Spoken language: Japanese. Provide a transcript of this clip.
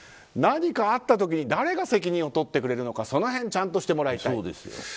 何かあった時に誰が責任を取ってくれるのかその辺ちゃんとしてもらいたい。